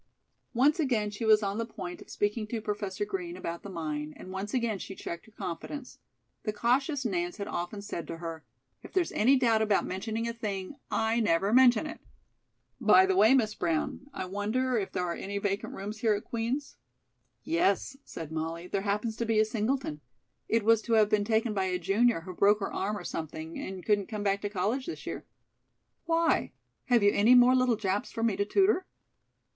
Once again she was on the point of speaking to Professor Green about the mine, and once again she checked her confidence. The cautious Nance had often said to her: "If there's any doubt about mentioning a thing, I never mention it." "By the way, Miss Brown, I wonder if there are any vacant rooms here at Queen's?" "Yes," said Molly, "there happens to be a singleton. It was to have been taken by a junior who broke her arm or something and couldn't come back to college this year. Why? Have you any more little Japs for me to tutor?"